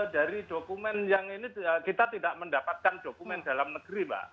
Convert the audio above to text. dari dokumen yang ini kita tidak mendapatkan dokumen dalam negeri mbak